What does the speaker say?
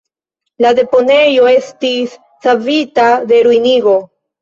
La deponejo estis savita de ruinigo.